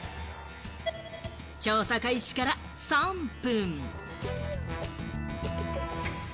調査開始から３分。